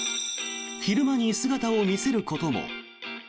昼間に姿を見せることも。